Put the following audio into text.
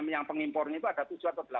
yang pengimpornya itu ada tujuh atau delapan